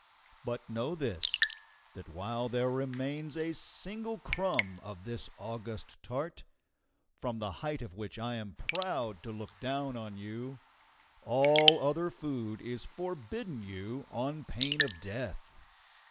But know this, that while there remains a single crumb of this august tart, from the height of which I am proud to look down on you, all other food is forbidden you on pain of death.